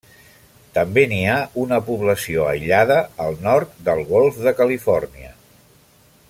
També n'hi ha una població aïllada al nord del Golf de Califòrnia.